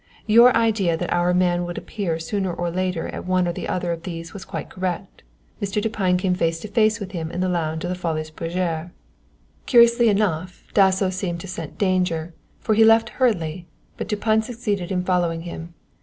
Your idea that our man would appear sooner or later at one or the other of these was quite correct. M. Dupine came face to face with him in the lounge of the Folies Bergere._ "_Curiously enough, Dasso seemed to scent danger, for he left hurriedly, but Dupine succeeded in following him.